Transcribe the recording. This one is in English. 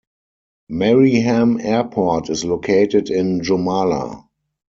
Mariehamn Airport is located in Jomala.